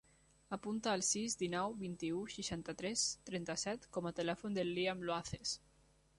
Apunta el sis, dinou, vint-i-u, seixanta-tres, trenta-set com a telèfon del Liam Luaces.